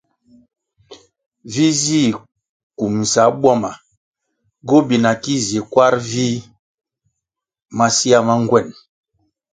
Vi zih kumbʼsa bwama gobina ki zi kwar vih masea ma ngwen.